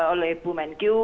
oleh bu menkyu